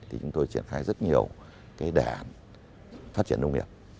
thì chúng tôi triển khai rất nhiều cái đề án phát triển nông nghiệp